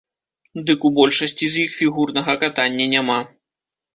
Дык у большасці з іх фігурнага катання няма.